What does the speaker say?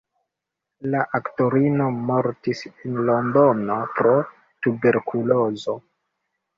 La aktorino mortis en Londono pro tuberkulozo.